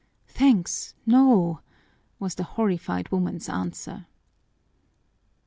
"Thanks, no!" was the horrified woman's answer.